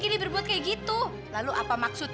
alva itu kan udah besar